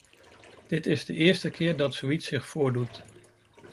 Dit is de eerste keer dat zoiets zich voordoet.